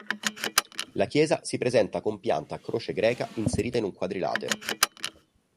La chiesa si presenta con pianta a croce greca inserita in un quadrilatero.